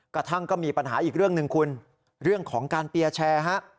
กระทั่งก็มีปัญหาอีกเรื่องหนึ่งคุณเรื่องของการเปียร์แชร์ฮะ